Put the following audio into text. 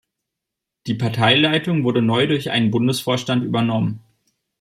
Die Parteileitung wurde neu durch einen Bundesvorstand übernommen.